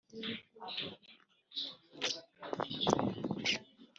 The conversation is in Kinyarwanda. icyakora imyaka iri hagati y igihe ubumuga